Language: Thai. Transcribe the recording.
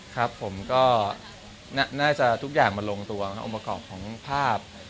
ครับผมก็น่าจะทุกอย่างมันลงตัวองค์ประกอบของภาพ